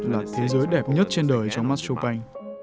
là thế giới đẹp nhất trên đời trong mắt chopin